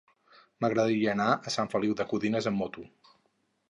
M'agradaria anar a Sant Feliu de Codines amb moto.